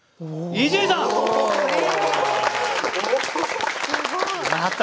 伊集院さんこれ。